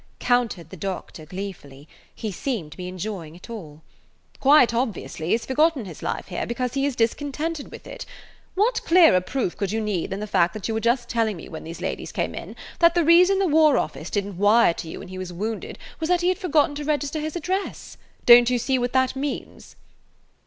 countered the doctor, gleefully. He seemed to be enjoying it all. "Quite obviously he has forgotten his life here because he is discontented with it. What clearer proof could you need than the fact you were just telling me when these ladies came in–that the reason the War Office didn't wire to you when he was wounded was that he had forgotten to register his address? Don't you see what that means?"